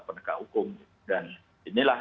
penegak hukum dan inilah